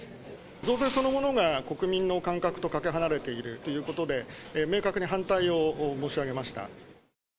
増税そのものが、国民の感覚とかけ離れているということで、明確に反対を申し上げました。